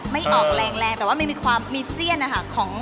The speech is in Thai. ไม่ออกแรงแต่ว่ามันมีความมีเสี้ยน